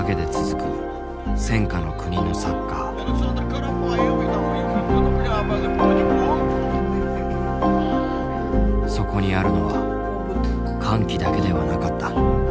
そこにあるのは歓喜だけではなかった。